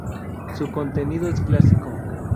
Su contenido es clásico.